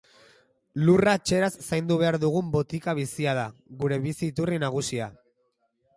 Lurra txeraz zaindu behar dugun botika bizia da, gure bizi iturri nagusia.